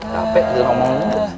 capek udah ngomong muka